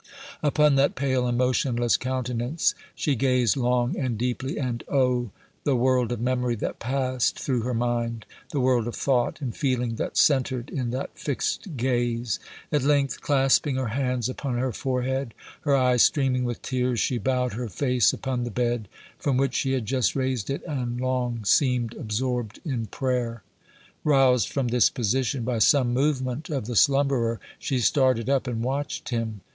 Upon that pale and motionless countenance she gazed long and deeply, and, oh! the world of memory that passed through her mind! the world of thought and feeling that centred in that fixed gaze! At length, clasping her hands upon her forehead, her eyes streaming with tears, she bowed her face upon the bed, from which she had just raised it, and long seemed absorbed in prayer. Roused from this position by some movement of the slumberer, she started up and watched him.